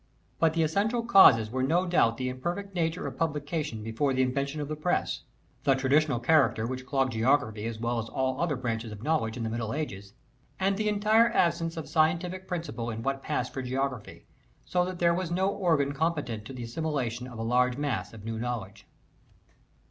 But the essential causes were no doubt the imperfect nature of publication before the invention of the press ; the traditional character which clogged geography as well as all other branches of knowledge in the Middle Ages ; and the entire absence of scientific principle in what passed for geography, so that there was no organ com petent to the assimilation of a large mass of new knowledge.